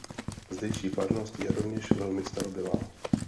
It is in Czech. Zdejší farnost je rovněž velmi starobylá.